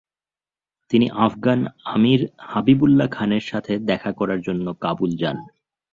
তিনি আফগান আমির হাবিবউল্লাহ খানের সাথে দেখা করার জন্য কাবুল যান।